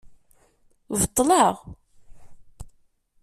Beṭṭleɣ.